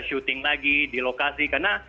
syuting lagi di lokasi karena